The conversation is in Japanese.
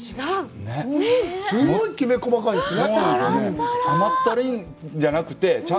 すごいきめ細かいですね。